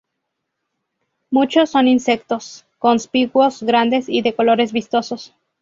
Muchos son insectos conspicuos, grandes y de colores vistosos.